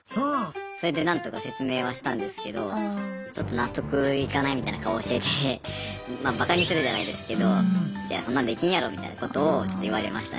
それで何とか説明はしたんですけどちょっと納得いかないみたいな顔しててまあバカにするじゃないですけどみたいなことをちょっと言われましたね